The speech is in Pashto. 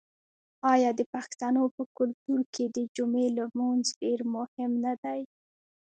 آیا د پښتنو په کلتور کې د جمعې لمونځ ډیر مهم نه دی؟